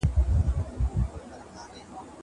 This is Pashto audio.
که وخت وي، بوټونه پاکوم!!